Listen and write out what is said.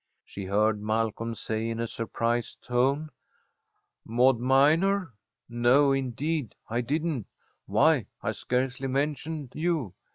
She heard Malcolm say, in a surprised tone: "Maud Minor! No, indeed, I didn't! Why, I scarcely mentioned you.